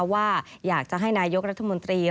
ว่าอยากจะให้นายกรัฐมนตรี